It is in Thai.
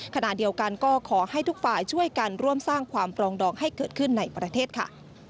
ขณะเดียวกันก็ขอให้ทุกฝ่ายช่วยกันร่วมสร้างความปรองดองให้เกิดขึ้นในประเทศค่ะ